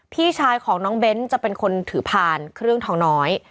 พี่ชายของน้องเบ้นจะเป็นคนถือผ่านเครื่องทองน้อย